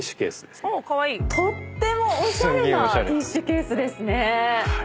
とってもおしゃれなティッシュケースですね。